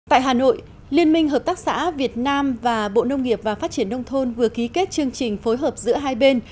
tại hà nội liên minh hợp tác xã việt nam và bộ nông nghiệp và phát triển nông thôn vừa ký kết chương trình phối hợp giữa hai bên